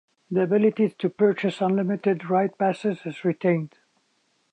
The ability to purchase unlimited ride passes is retained.